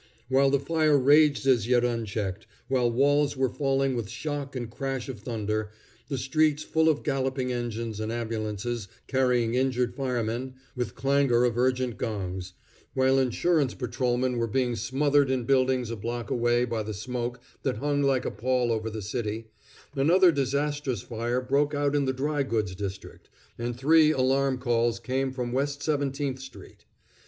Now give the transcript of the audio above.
While the fire raged as yet unchecked, while walls were falling with shock and crash of thunder, the streets full of galloping engines and ambulances carrying injured firemen, with clangor of urgent gongs; while insurance patrolmen were being smothered in buildings a block away by the smoke that hung like a pall over the city, another disastrous fire broke out in the dry goods district, and three alarm calls came from West Seventeenth street.